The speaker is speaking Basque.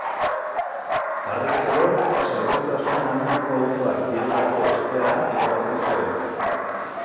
Harrezkero, segurtasun handiko autoak direlako ospea irabazi zuen.